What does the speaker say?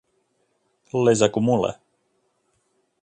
Les acumula.